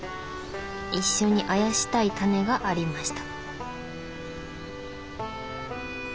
一緒にあやしたいタネがありました。